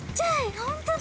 本当だ！